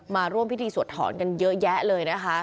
มาร่วมพิธีสวดถอนกันเยอะแยะเลยนะคะ